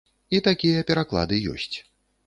І такія пераклады ёсць.